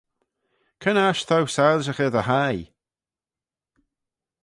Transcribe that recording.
Cre'n aght t'ou soilshaghey dty hie?